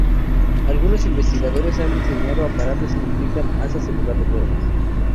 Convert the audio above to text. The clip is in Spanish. Algunos investigadores han diseñado aparatos que implican asas en lugar de cuerdas.